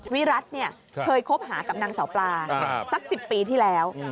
วิรัติเคยคบหากับนางเสาปลาสัก๑๐ปีที่แล้ว